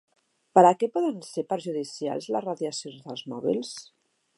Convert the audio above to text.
Per a què poden ser perjudicials les radiacions dels mòbils?